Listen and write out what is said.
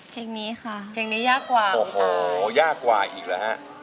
เพลงนี้ค่ะโอ้โฮยากกว่าอีกแล้วฮะค่ะเพลงนี้ยากกว่าอีกแล้ว